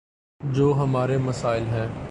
جو ہمارے مسائل ہیں۔